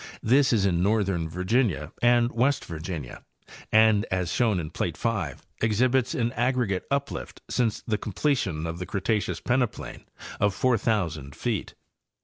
This is in northern Virginia and West Virginia and, as shown in plate 5, exhibits an agere gate uplift since the completion of the Cretaceous peneplain of 4,000 feet.